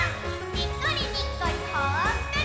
にっこりにっこりほっこり！